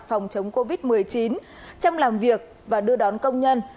phòng chống covid một mươi chín trong làm việc và đưa đón công nhân